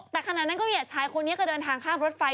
แต่ขณะนั้นก็เหยียดชายคนนี้ก็เดินทางข้ามรถไฟ